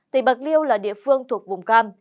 tỉnh bạc liêu là địa phương thuộc vùng cam